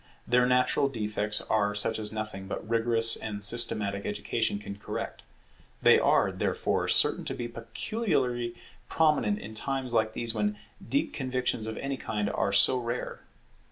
Their natural defects are such as nothing but rigorous and systematic education can correct; they are, therefore, certain to be peculiarly prominent in times like these when deep convictions of any kind are so rare.